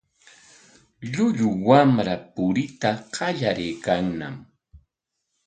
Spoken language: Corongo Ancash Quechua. Llullu wamra puriyta qallariykanñam.